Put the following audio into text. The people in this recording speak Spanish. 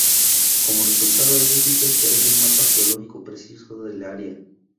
Como resultado, es difícil crear un mapa geológico preciso del área.